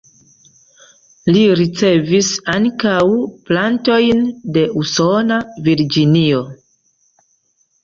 Li ricevis ankaŭ plantojn de usona Virginio.